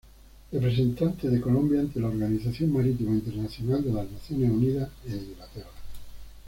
Representante de Colombia ante la Organización Marítima Internacional de las Naciones Unidas en Inglaterra.